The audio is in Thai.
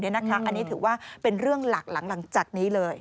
อันนี้ถือว่าเป็นเรื่องหลักหลังจากนี้เลย